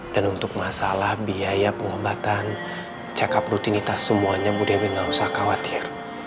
dan untuk masalah biaya pengobatan cakap rutinitas semuanya bu dewi gak usah khawatir